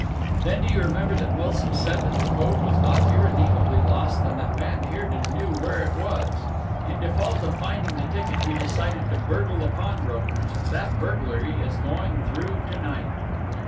"Then do you remember that Milsom said that the code was not irredeemably lost and that van Heerden knew where it was. In default of finding the ticket he decided to burgle the pawnbroker's, and that burglary is going through to night."